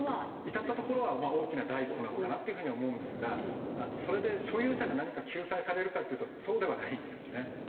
至ったところは大きな第一歩なのかなっていう風には思うんですがそれで所有者が何か救済されるかっていうとそうではないんですね。